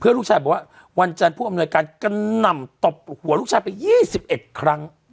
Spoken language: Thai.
ลูกชายบอกว่าวันจันทร์ผู้อำนวยการกระหน่ำตบหัวลูกชายไป๒๑ครั้ง